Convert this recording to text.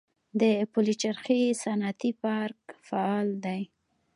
د پلچرخي صنعتي پارک فعال دی